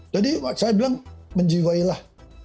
jadi saya bilang menjiwailah